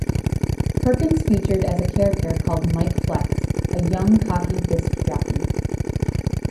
Perkins featured as a character called Mike Flex, a young cocky disc jockey.